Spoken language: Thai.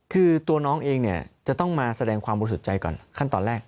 คือตัวน้องเองเนี่ยจะต้องมาแสดงความบริสุทธิ์ใจก่อนขั้นตอนแรก